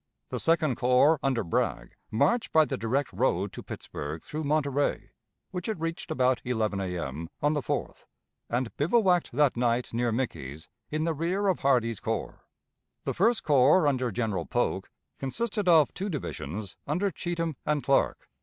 The Second Corps, under Bragg, marched by the direct road to Pittsburg through Monterey, which it reached about 11 A.M. on the 4th, and bivouacked that night near Mickey's in the rear of Hardee's corps. The First Corps, under General Polk, consisted of two divisions, under Cheatham and Clark.